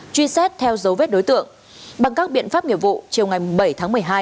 truy xét theo dấu vết đối tượng bằng các biện pháp nghiệp vụ chiều ngày bảy tháng một mươi hai